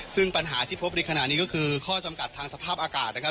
ซึ่งปัญหาที่พบในขณะนี้ก็คือข้อจำกัดทางสภาพอากาศนะครับ